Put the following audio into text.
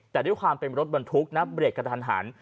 แต่ด้วยความเป็นรถบรรทุกนะเบรกกระทันหัน